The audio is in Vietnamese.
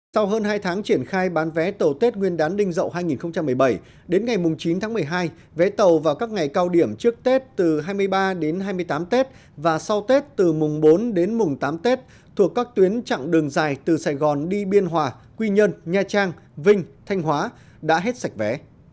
sau hơn hai tháng triển khai bán vé tàu tết nguyên đán đinh dậu hai nghìn một mươi bảy đến ngày mùng chín tháng một mươi hai vé tàu vào các ngày cao điểm trước tết từ hai mươi ba đến hai mươi tám tết và sau tết từ mùng bốn đến mùng tám tết thuộc các tuyến chặng đường dài từ sài gòn đi biên hòa quy nhơn nha trang vinh thanh hóa đã hết sạch vé